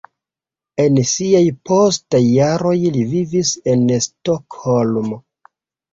En siaj postaj jaroj li vivis en Stokholmo.